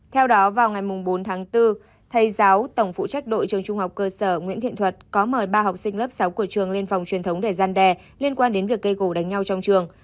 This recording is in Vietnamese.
theo đó vào ngày bốn tháng bốn thầy giáo tổng phụ trách đội trường trung học cơ sở nguyễn thiện thuật có mời ba học sinh lớp sáu của trường lên phòng truyền thống để gian đe liên quan đến việc gây gỗ đánh nhau trong trường